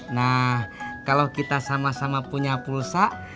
nah kalau kita sama sama punya pulsa